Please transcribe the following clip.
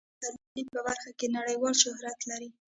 افغانستان د پسرلی په برخه کې نړیوال شهرت لري.